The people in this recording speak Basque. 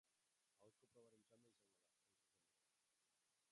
Ahozko probaren txanda izango da, hain zuzen ere.